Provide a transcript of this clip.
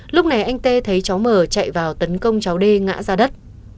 lúc này anh t thấy cháu m chạy vào tấn công cháu d ngã ra đất